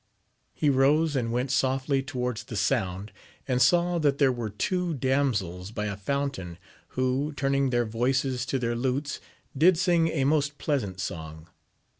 He rose, and went softly towards the sound, and saw that there were two dam sels by a fountain, who, tuning their voices to their lutes, did sing a most pleasant song.